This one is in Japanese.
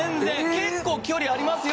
結構距離ありますよ